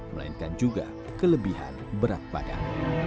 melainkan juga kelebihan berat badan